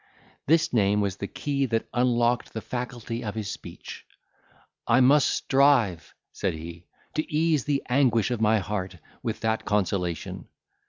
This name was the key that unlocked the faculty of his speech. "I must strive," said he, "to ease the anguish of my heart with that consolation.